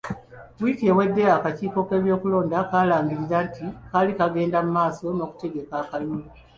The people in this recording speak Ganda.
Wiiki ewedde akakiiko k'ebyokulonda kaalangirira nti kaali kagenda mu maaso n'okutegaka akalululu.